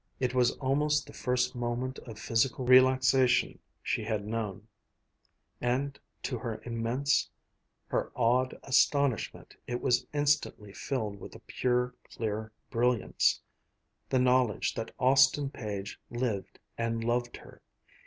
It was almost the first moment of physical relaxation she had known, and to her immense, her awed astonishment it was instantly filled with a pure, clear brilliance, the knowledge that Austin Page lived and loved her.